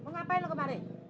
ngapain lo kemarin